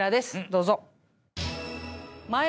どうぞ。